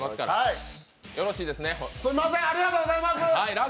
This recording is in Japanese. すんません、ありがとうございます！